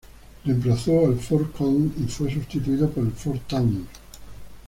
Reemplazó al Ford Köln y fue sustituido por el Ford Taunus.